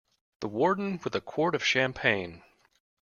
The Warden with a quart of champagne.